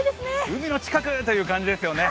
海の近くという感じですよね。